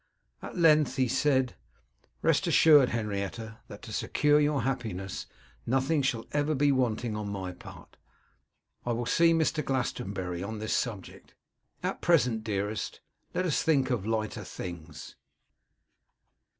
At length he said, 'Rest assured, Henrietta, that to secure your happiness nothing shall ever be wanting on my part. I will see Mr. Glastonbury on this subject. At present, dearest, let us think of lighter things.